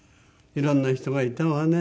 いろんな人がいたわね。